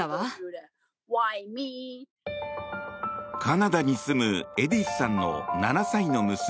カナダに住むエディスさんの７歳の娘